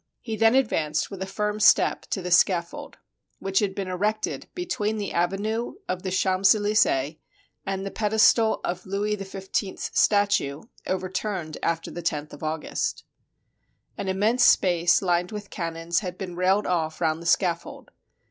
He then advanced with a firm step to the scaffold, which had been erected between the avenue of the Champs Elysees and the pedestal of Louis XV's statue, overturned after the loth of August. An immense space lined with cannons had been railed off round the scaffold.